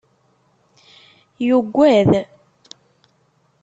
Yuggad.